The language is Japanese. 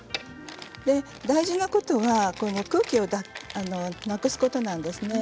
大事なことは空気をなくすことなんですね。